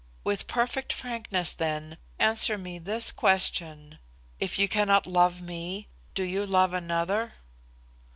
With perfect frankness, then, answer me this question. If you cannot love me, do you love another?"